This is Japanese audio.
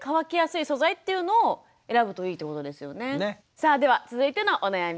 さあでは続いてのお悩み